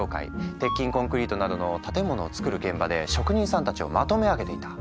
鉄筋コンクリートなどの建物を造る現場で職人さんたちをまとめ上げていた。